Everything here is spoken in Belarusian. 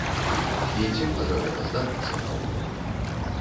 І ці можа гэта здарыцца наогул?